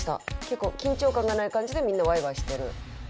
結構緊張感がない感じでみんなワイワイしてる。